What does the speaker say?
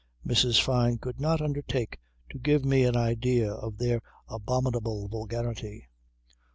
Mrs. Fyne could not undertake to give me an idea of their abominable vulgarity.